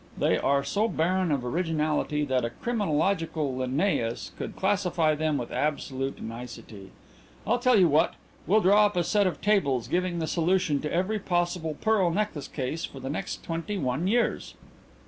They are so barren of originality that a criminological Linnæus could classify them with absolute nicety. I'll tell you what, we'll draw up a set of tables giving the solution to every possible pearl necklace case for the next twenty one years."